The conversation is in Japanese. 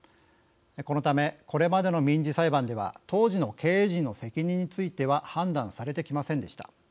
このためこれまでの民事裁判では当時の経営陣の責任については判断されてきませんでした。